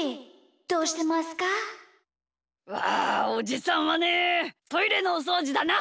まあおじさんはねトイレのおそうじだな。